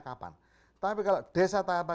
kapan tapi kalau desa tahap